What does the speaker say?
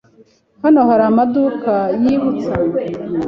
Hano hari amaduka yibutsa?